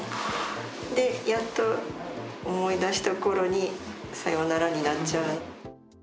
やっと思い出したころに、さよならになっちゃう。